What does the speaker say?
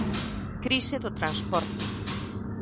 Crise do transporte.